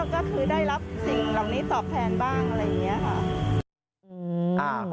ก็คือได้รับสิ่งเหล่านี้ตอบแทนบ้างอะไรอย่างนี้ค่ะ